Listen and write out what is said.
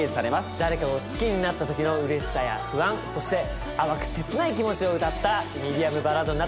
誰かを好きになった時のうれしさや不安そして甘く切ない気持ちを歌ったミディアムバラードになっております！